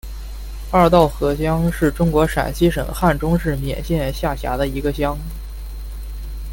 二道河乡是中国陕西省汉中市勉县下辖的一个乡。